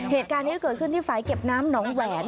เหตุการณ์นี้เกิดขึ้นที่ฝ่ายเก็บน้ำหนองแหวน